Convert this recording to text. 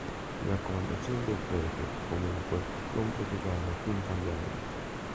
Le raccomandazioni del prete, comunque, non produrranno alcun cambiamento.